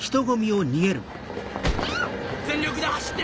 全力で走って！